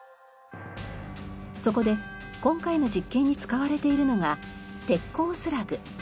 そこで今回の実験に使われているのが鉄鋼スラグ。